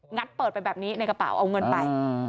เปิดไปแบบนี้ในกระเป๋าเอาเงินไป